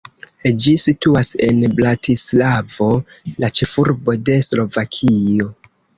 Ĝi situas en Bratislavo, la ĉefurbo de Slovakio.